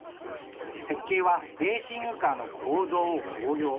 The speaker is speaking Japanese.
設計はレーシングカーの構造を応用。